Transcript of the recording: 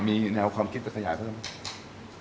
มีแนวความคิดจะขยายเพิ่มไหม